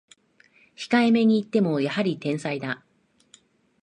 控えめに言ってもやはり天才だ